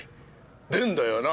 出んだよな？